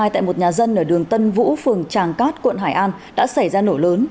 là dân ở đường tân vũ phường tràng cát quận hải an đã xảy ra nổ lớn